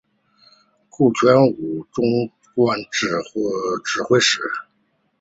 顾全武终官指挥使。